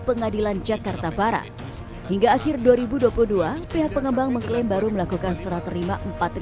pengadilan jakarta barat hingga akhir dua ribu dua puluh dua pihak pengembang mengklaim baru melakukan serah terima